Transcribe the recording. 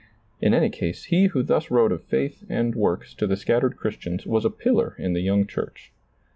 In any case he who thus wrote of &ith and works to the scattered Christians was a pillar in the young church.